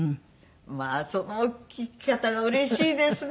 まあその聞き方がうれしいですね。